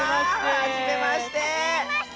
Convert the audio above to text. はじめまして。